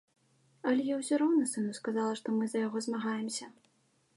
Але я ўсё роўна сыну сказала, што мы за яго змагаемся.